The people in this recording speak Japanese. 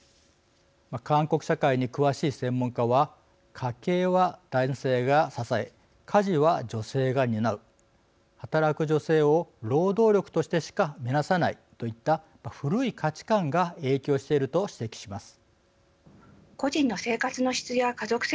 韓国社会に詳しい専門家は「家計は男性が支え家事は女性が担う」「働く女性を労働力としてしか見なさない」といった古い価値観が影響していると指摘します。